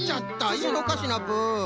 いいのかシナプー？